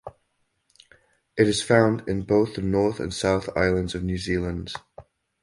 It is found in both the North and South Islands of New Zealand.